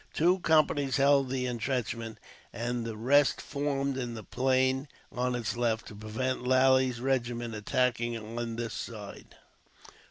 Two companies held the intrenchment, and the rest formed in the plain on its left, to prevent Lally's regiment attacking it on this side.